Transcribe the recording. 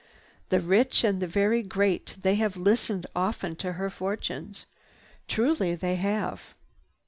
The rich and the very great, they have listened often to her fortunes. Truly they have.